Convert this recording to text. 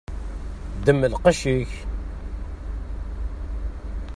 Ddem lqec-ik.